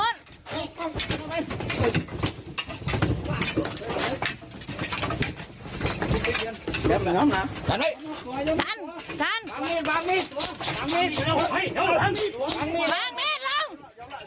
งั้นไปนี้หมดเนี่ย